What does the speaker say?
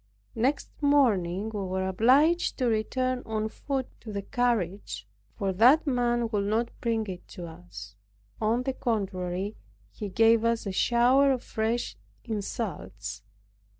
Next morning we were obliged to return on foot to the carriage for that man would not bring it to us. On the contrary, he gave us a shower of fresh insults.